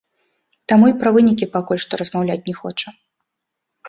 Таму і пра вынікі пакуль што размаўляць не хоча.